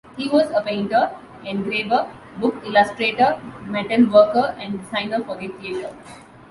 He was a painter, engraver, book illustrator, metal worker, and designer for the theater.